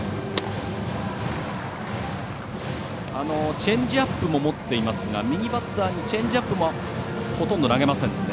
チェンジアップも持っていますが右バッターにチェンジアップをほとんど投げませんね。